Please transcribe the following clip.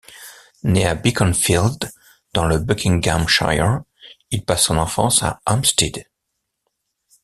Né à Beaconsfield, dans le Buckinghamshire, il passe son enfance à Hampstead.